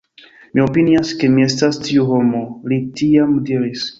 Mi opinias ke mi estas tiu homo, li tiam diris.